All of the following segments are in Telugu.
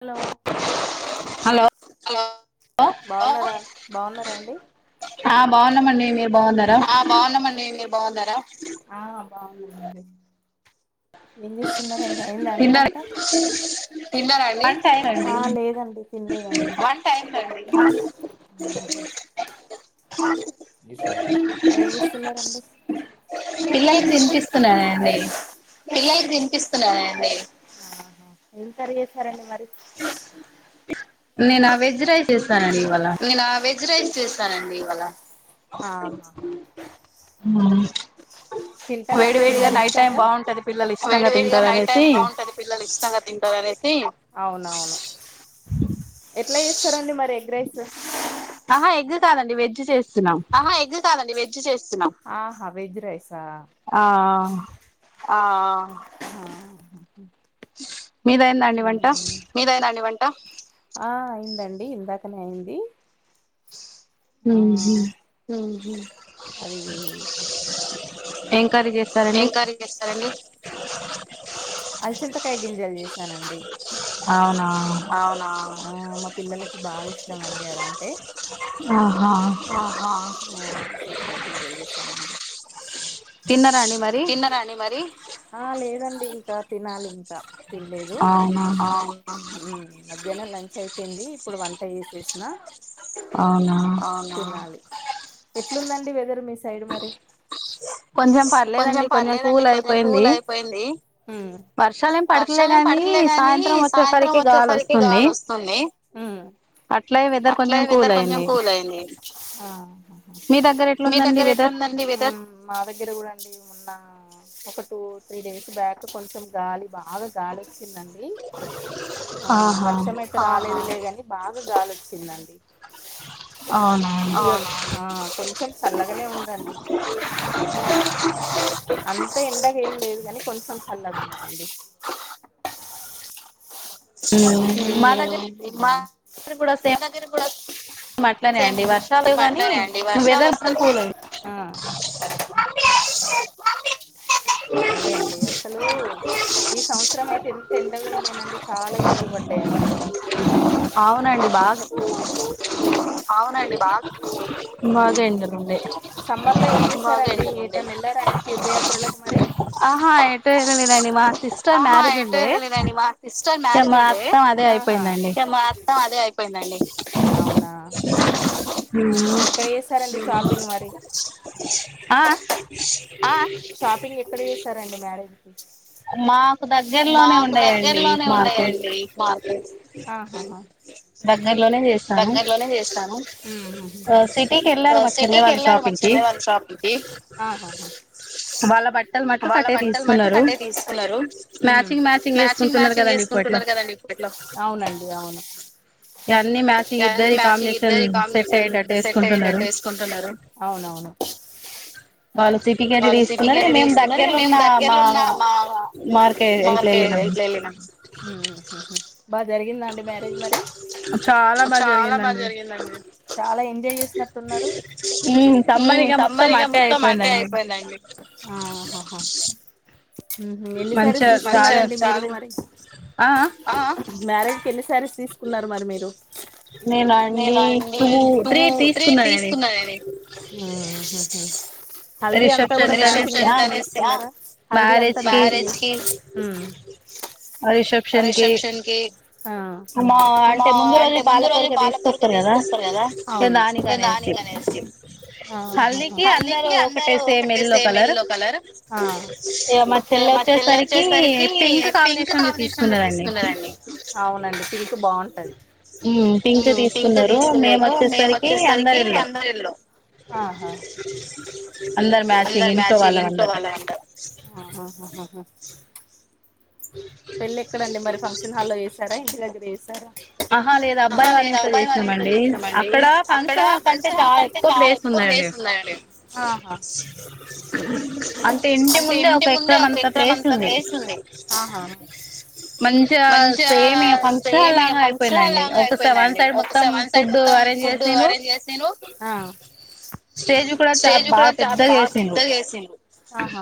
హలో బాగున్నారా బాగున్నారండి ఆ బాగున్నామండి మీరు బాగున్నారా ఎం చేస్తున్నారు అయింద అండి వంట తిన్న రండి ఆ లేదండి తిన్లేదండి టైమ్ నండి ఏం చేస్తున్నారండి పిల్లలకి తినిపిస్తున్నానండి తినిపిస్తున్నా నండి ఏం కర్రీ చేసారండి మరి నేన వెజ్ రైస్ ఎస్ నేను ఆ వెజ్ రైస్ చేస్తానండి ఇవాళ తింటారండి పిల్లలు ఇష్టంగా వేడి వేడిగా నైట్ టైమ్ బాగుంటది పిల్లలు ఇష్టంగా తింటారని అవును అవును ఎట్లా చేస్తారండి మరి ఎగ్ రైస్ ఆహా ఎగ్ కాదండి వెజ్ చేస్ ఆహా ఎగ్ కాదండి వెజ్ చేస్తున్నా ఆహా వెజ్ రైస్ ఆ ఆ మీదే నాండి వం ఆ అయిందండి ఇందాకనే అయింది ఆ ఉహు అది ఎం కర్రీ చేస్తారండి అలసంతకాయ గింజాలు చేశానండి అవునా ఆ మా పిల్లలకి బాగా ఇష్టం అండి అదంటే ఆహా అలచింతకలు [inaudible] తిన్నారా అండి తిన్నరాని మరి ఆ లేదండి ఇంకా తినాలి ఇంకా తినలేదు ఆ మధ్యాహ్న లంచ్ అయిపోంది ఇప్పుడు వంట చేసేసిన ఎట్లుందండి వెదర్ మీ సైడ్ మరి కొంచెం పర్లేదండి కొంచెం కూల్ అయిపోయింది వర్షాలేం పడకలే గాని సాయంత్రం వచ్చేసరికి గాలి వస్తుంది అట్ల వెదర్ కొంచెం కూల్ అయింది మీ దగ్గర ఎట్లాందండి వెదర్ దగ్గర కూడాడి మన్న ఒక టూ త్రీ డేస్ బ్యాక్ కొంచెం గాలి బాగా గాలి వచ్చిందండి ఆ వర్షం అయితే రాలేదుదే ని బాగా కొంచెం గాలి వచ్చిందండి ఆ కొంచం చల్లగానే ఉందండి అంతా ఎండగ ఏం లేద్ లేదు కాని కొంచెం చల్లాగా ఉన్నదండి ని మా అగ కూడ సేమ్ మాట్లారే అండి వర్షాలు వస్తయి అదే అండి అసలు ఈ సంవత్సరం అయితే ఎంత ఎండగా ఉండేనండి చాల ఎండలు పడ్డాయండి అవునండి బాగా బాగా ఎండాలు ఉండే సమ్మర్ లో ఏం చేశారు అండి వెళ్లారా అండి తీర్థయాత్రలకు ఆహా ఎటు వెళ్లలేదండి మా సిస్టర్ మ్యారేజ్ ఉండే మ్యారేజ్ ఉండే ఆహా మత్తం అదే అయిపోయిందండి అవునా ఇక్కడ చేస్తారండి షాపింగ్ మరి ఆ షాపింగ్ ఎక్కడ చేస్తారండి మ్యారేజ్ క మాకు దగ దగ్గరలోనే ఉన్నాయండి మార్కెట్ అహహా దగ్గర లోనే చేస్తాను సిటీకి వెళ్ళారు మచ్చర్ దేవా షాప్ ఇది వాళ్ళ బట్టలు మటు కట్టే తీసుకున్నారు మ్యాచింగ్ మ్యాచింగ్ వేసుకుంటున్నారు కదండి ఇప్పట్లో అవునండి అవును ఎ మ్యాచ్ ఇద్దరి కాంబినేషన్ సెట్ అయ్యేటట్టు వేసుకుంటున్నారు అవునవును అవును వాళ్ళ సిటీకి అనే తీసుకున్నారు ఇ మేము దగ్గర్లోన్న మా మార్క వేలిన బాగా జరిగిందండి మ్యారేజ్ మరి చాలా బాగా జరిగిందండి చాలా చేసినట్టు ఉన్నారు ఉ సమ్మర్ మొత్తం అటే అయిపోయిందండి హాహా ఉహు ఎన్ని సారి తీసుకున్నారు మ్యారేజ్ ఎన్నిసారి తీసుకున్నారు మరి మీరు నేన అండి టూ త్రీ తీసుకున్నాను ఉ హల్ది అంత కూడా హల్ది అంత రిసెప్షన్ కి మా అంటే ముందు రోజు పాలపోరికే తీసుకొస్తారు కదా అవును అంటే దాని అహ హల్దికి అందరు ఒకటే సేమ్ ఎల్లో కలర్ ఆ సే మా చెళ్ళే వచ్చేసరికి పింక్ కాంబినేషన్ లో తీసుకున్నారండి అవునండి పింక్ బాగుంటది మ్ పింక్ తీసుకున్నారు మేము వచ్చేసరికి ఏళ్ళో ఆహా అందరు మ్యాచింగ్ ఇంట్లో వాళ్ళు అంత అహ అహా పెళ్లిి ఎక్కడండి మరి ఫంక్షన్ హాల్లో చేసారా ఇంటి దగ్గర చేసారా ఆహా లేదు అబ్బాయి వాళ్ళ ఇంట్లో చేసామండి అక్కడ ఫంక్షన్ హల్ కంటే చాలా ఎక్కువ ప్లేస్ ఉందడి అహ అంటే ఇంటి ముందే ఒక ఎకరం అంతా ప్రేసుంది మంచిగ్ సేమ్ ఇగ ఫన్ క్షన్హల్ లాగే అయిపోయిందండి ఒకస వన్ సైడ్ మొత్తం ఫుడ్ అరేంజ్ చేసిండ్రు స్టేజ్ కూడా చ బాగా పెద్దగా వేసిండ్రు ఆహ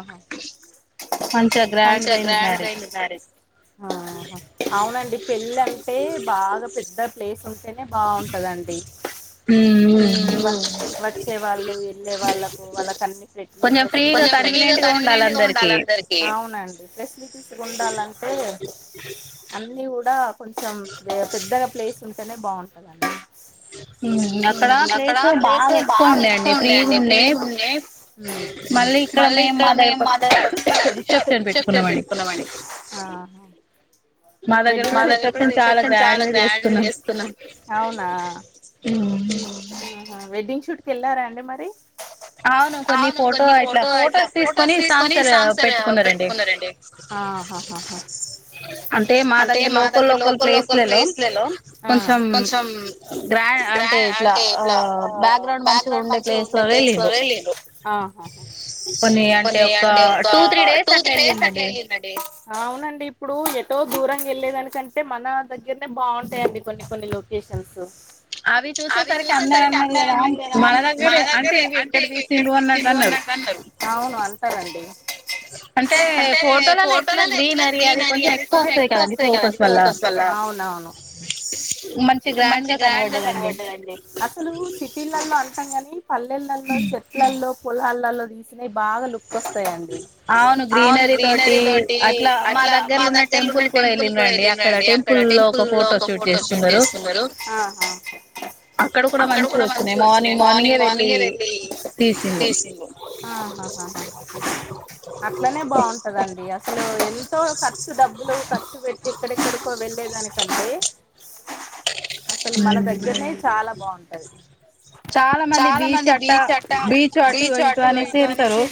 కొంచిగ గ్రాండ్గైంది మ్యారేజ్ ఆహ అవునండి పెళ్ళి అంటే బాగా పెద్ద ప్లేస్ ఉం అేనే బాగుంటదండి మ్ మ్ వచ్చే వాళ్ళు వెళ్ళే వాళ్ళలకు వాళ్ళకన్ని ప్రెట్లీెసేసి ఫ్రీగా కన్వనెంట్ గా ఉండాలందరికి అవునండి ఫెసిలీటిస్ గ ఉండాలం అన్ని కూడా కొంచెం పెద్దగా ప్లేస్ ఉంటేనే బాగుంటదండి మ్ అక్కడ ప్లేసు బాగా ఎక్కువ ఉండే అండి ఫ్రీగా ఉండే మ్ మళ్ళీ ఇక్కడ మేము మా దగ్గర్ రిసెప్షన్ పెట్టుకున్నామండి అహ వెడ్ మా దగ్గర కూడా రిసెప్షన్ చాలా గ్రాండ్ చేస్తున్నాం అవునా అహ వెడ్డింగ్ షూట్ కేళ్ళారా అండి మరి అవును కొన్ని ఫోటో ఇట్లా ఫొటోస్ తీసుకొని సాంగ్స్ పెట్టుకున్నారండి అహ ఆహా అంటే మా దగ్గర లోకల్ లోకల్ ప్లేస్లలో కొంచం అ గ్రాండ్ అంటే ఇట్లా బ్యాక్గ్రౌండ్ మంచి ఉండే ప్లేస్ లో లేళ్ళుండ్రు అహ హా కొన్ని అంటే ఒక టూ త్రి డే డేస్ అట్లా వెలిండ్రడి అవునండి ఇప్పుడు ఎటో దూరంగా వెళ్ళలేదానికంటే మన దగ్గర్నే బాగుంటాయండి కొన్ని కొన్ని లొకేషన్ షన్స్ అవి చూసేసరికి అందరన్నరు కదా మా దగ్గరే అంటే ఇగ ఇక్కడ తీసిళ్ళు అన్న దన్నారు అవును అంటరండి అంటే ఫోటోలళ్ళో ఎట్లా గ్రీ ఎట్లా గ్రీనరీ అది కొంచం ఎక్కువ వస్తది కదండి ఫోకస్ అల అవునవును మంచి గ్రాండ్ గా కనపడ్డదండి అసలు సిటీలల్లో అంటాం కాని పల్లెలల్లో చెట్లల్లో పొలల్లో తీసినై బాగాలుక్ క్కోస్తాయండి అవును గ్రీనరీ తోటి అట్లా మా దగ్గర్లో ఉన్న టెంపుల్ కూడా వెళ్ళిరండి అక్కడ టెంపుల్ లో ఒక ఫోటో షూట్ చేసుకున్నరు ఆహా అక్కడ కూడా మంచిగోచ్చినాయి మార్నింగ్ మార్నింగే వెళ్ళి చేసిళ్ళు అహ హా అట్లనే బాగుంటదండి అసలు ఎల్ ఖర్చు డబ్బులు ఖర్చు పెట్టి ఎక్కడెక్కడికో వెళ్ళలేదానికంటే అసలు మన దగ్గరనే చాలా బాగుంటది. చాలా మంది బీచ్ అట్ట, బీచు అటు ఇటు అనేసి ఎళ్తరు,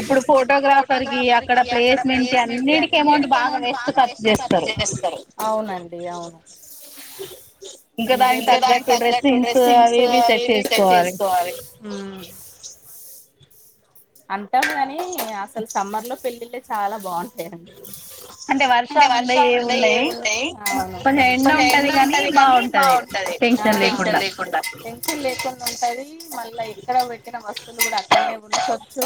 ఇప్పుడు ఫోటోగ్రా గ్రాఫర్ కి అక్కడ ప్లేస్మెంట్ కి అన్నిటి అవునండి అవును దానికి తగ్గట్టు డ్రెస్సింగ్స్ అవి ఇవి సట్ చేసుకోవాలె అంటాము గని అసలు సమ్మర్ లో పెళ్ళిళ్లే చాలా బాగుం అంతేనండి అంటే వర్షాలు ఉండై ఏముండై, కొంచం ఎండ ఉంటది గని బాగుంటది. టెన్షన్ లేకుండా లేకుండా ఉంటది, మళ్ళా ఎక్కడ పెట్టినా మస్త్ సలు అక్కన్నే వండుకోవచ్చు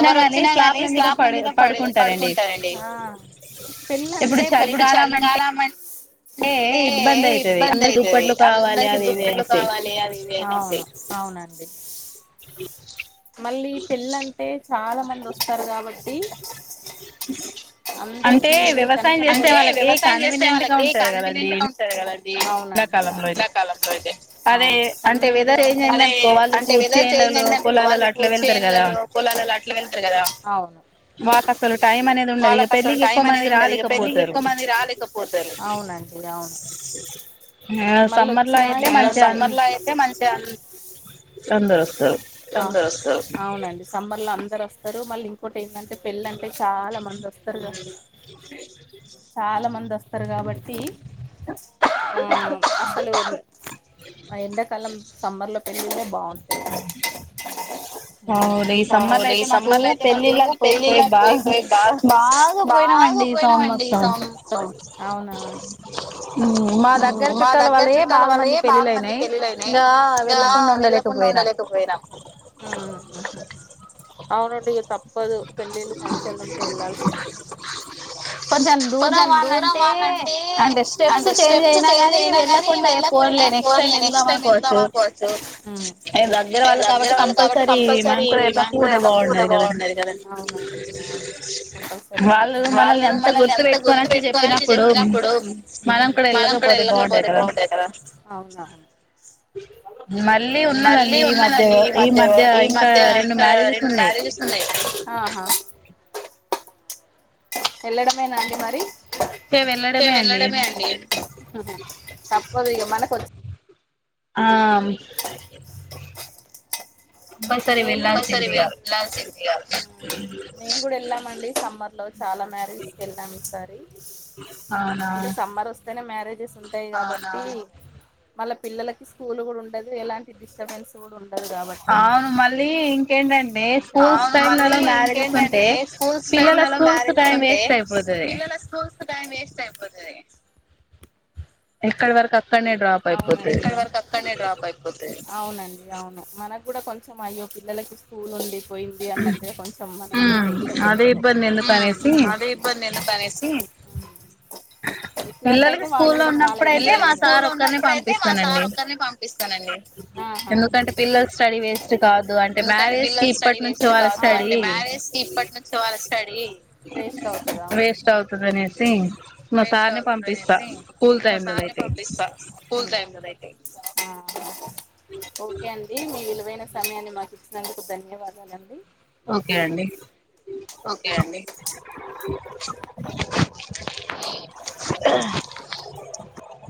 ఎవరు వచ్చినా గాని స్లాప్ల మీద పడు పడుకుంటారండి. పెళ్ళ అంటే టే ఇబ్బంది ఐతది, అందరికి దుప్పట్లు కావాలి అది సే నండి మళ్ళీ పెళ్ళ అంటే చాలా మంది వస్తరు కాబట్టి అంటే వ్యవసాయం చేస్తే వాళ్ళకి కన్వినేట్ గా ఉంటది కదండి. అవునండి అవును, అవును కన్వీనెంట్ గా ఉంటది కు వాళ్ళకు చేన్లలో పోలాలలో అట్ల వెళ్తరు కదా వాళ్ళకసలు టైం అనేది ఉండది, ఇగ పెళ్ళకి ఎక్కువ మంది రాలేకపోతరు. డి అవును. మ సమ్మర్ లో అయితే మంచిగా అం అవునండి సమ్మర్ లో అందరు అస్తరు మళ్ళీ ఇంకోటి ఏందంటే పెళ్ళ అంటే చాలా మంది వస్తరుగా చాలా మంది వస్తరు కాబట్టి ఆ అసలు ఎండాకాలం సమ్మర్ లో పెళ్లిలోనే బాగుం ఆ రేస్ సమ్మర్లో అయితే మాకు పెళ్ళిళ్లాక్ పోయి పోయి, బాగా బాగా పోయినమండి ఈ సంవ మా దగ్గర చుట్టాల వాళ్లయే బాగు మంది పెళ్ళైనయి ఇంగా వెళ్ ఉండుండలేక పోయినా, అవునండి ఇగ తప్పదు పెళ్లిళ్లు, ఫంక్షన్లు ఉంటే వెళ్లాల్సిందే. కొంచెం దూరం అనంటే అంటే స్టెప్స్ చేంజ్ అయినా గాని వెళ్ళకు పోనిగ నెక్స్ట్ టైమ్ వెళ్దాం అనుకోవచ్చు, ఇగ దగ్గర వాళ్ళు కాబట్టి కంపల్సరీ ఈ మాంకుడ తప్పుకుంటే బాగుండది కదా వాళ్ళను మనల్ని ఎంత గుర్తు పెట్టుకొని వచ్చి చెప్పినప్పుడు మనం కూడా ఎళ్ళకపోతే బాగుండదు కదా మళ్ళీ ఉన్నదండి ఈ మధ్య ఈ మధ్య ఆ రెండు మ్యారేజెస్ ఉన్నయి ఎళ్లడమేన అండి మరి? ఇగ వెళ్ళడమే అండి, తప్పదు ఇగ మనకొచ్ ఆ నేను గుడ అసలు వెళ్లాల్సింది కాదు. సమ్మర్ లో చాలా మ్యారేజ్ కి వెళ్లినం ఈసారి అంటే సమ్మర్ వస్తేనే మ్యారేజ్ ఉంటాయి కాబట్టి మళ్ళ పిల్లలకి స్కూల్ కూడా ఉండదు ఎలాంటి డిస్టర్బెన్స్ కూడా ఉండదు ఉండదు కాబట్టి అవును మళ్ళీ ఇంకేంటంటే స్కూల్ టైం లో మ్యారేజ్ చేస్తుంటే పిల్లల స్కూల్స్ టైం వేస్ట్ అయిపోతుంది ఎక్కడ వరకు అవున ఎక్కడి వరకు అక్కడనే డ్రాప్ అయిపోతది అవునండి అవును మనకు కూడా కొంచెం అయ్యో పిల్లలకి స్కూల్ ఉండి పోయింది అన్నట్టుగా కొంచెం మనకు కూడా టెన్షన్స్ ఉంటాయి అదే ఇబ్బంది నిన్న అనేసి ఇట్లాంటి అయితే వాళ్ళు కూడా చాలా పిల్లలకి స్కూల్ ఇప్పుడైతే మా సార్ ఒక్కరినే పంపిస్తానండి ఆ హా ఎందుకంటే పిల్లల స్టడీ వేస్ట్ కావద్దు ఎందుకంటే బ్యారేజ్ కి ఇప్పటి నుంచి వాళ్ళ స్టడీ వేస్ట్ అవుతుందీ వేస్ట్ అవుతుంది అనేసి వేస్ట్ అవుతుంది అనేసి మా సారునే పంపిస్తా స్కూల్ టైం అయింది ఓకే అండి మీ విలువైన సమయాన్ని మాకు ఇచ్చినందుకు ధన్యవాదాల అండి ఓకే అండి ఆ